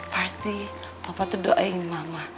pasti papa tuh doain mama